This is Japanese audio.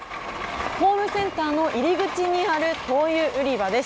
ホームセンターの入り口にある灯油売り場です。